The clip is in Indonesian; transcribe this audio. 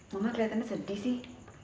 mawah kelihatannya sedih sih